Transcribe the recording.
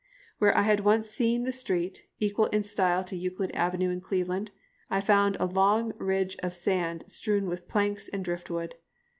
Where I had once seen the street, equal in style to Euclid Avenue in Cleveland, I found a long ridge of sand strewn with planks and driftwood.